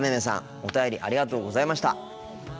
お便りありがとうございました。